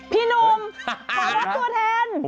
พี่หนุ่มขอรับตัวแทน